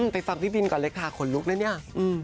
ไปฟังพี่บินก่อนเลยค่ะขนลุกนะเนี่ย